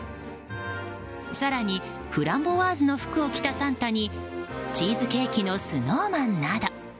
更にフランボワーズの服を着たサンタにチーズケーキのスノーマンなど。